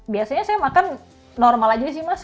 biasanya saya makan normal aja sih mas